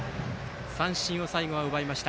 三振を最後は奪いました。